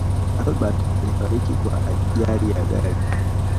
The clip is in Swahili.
albert alifariki kwa ajari ya gari